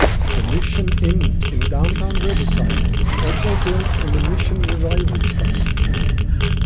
The Mission Inn in downtown Riverside is also built in the Mission Revival style.